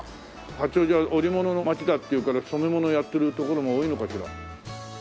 八王子は織物の街だっていうから染め物やってる所が多いのかしら？